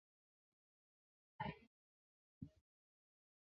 字叔胄。